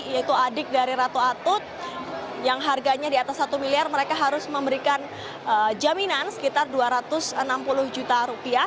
yaitu adik dari ratu atut yang harganya di atas satu miliar mereka harus memberikan jaminan sekitar rp dua ratus enam puluh juta rupiah